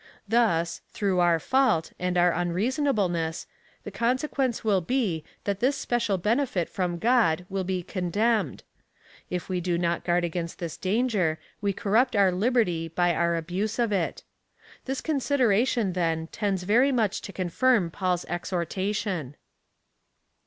Thus, through our fault, and our unreasonableness, the consequence will be, that this special benefit from God will be condemned. If we do not guard against this danger, we cornipt our liberty by our abuse of it. This consideration, then, tends very much to confirm Paul's exhortation.